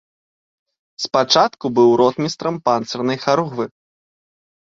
Спачатку быў ротмістрам панцырнай харугвы.